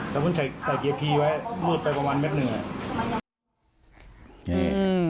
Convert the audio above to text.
แล้วเพิ่งใส่เกียร์พีไว้มืดไปประมาณเม็ดหนึ่งอ่ะ